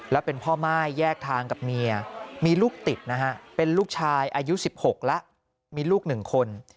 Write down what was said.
แล้วเป็นพ่อม่ายแยกทางกับเมียมีลูกติดนะฮะเป็นลูกชายอายุ๑๖แล้วมีลูก๑คน